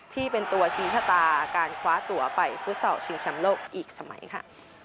ที่เป็นตัวชี้ชะตาการคว้าตัวไปฟุตซอลชิงแชมป์โลกอีกสมัยค่ะ